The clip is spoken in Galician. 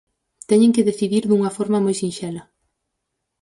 Teñen que decidir dunha forma moi sinxela.